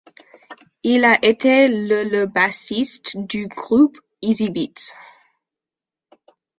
Il a été le le bassiste du groupe Easybeats.